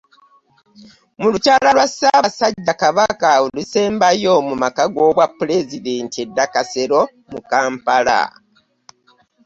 Mu lukyala lwa Ssaabasajja Kabaka olusembayo mu maka g'obwa pulezidenti e Nakasero mu Kampala.